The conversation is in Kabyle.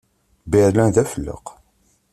Berlin d afelleq.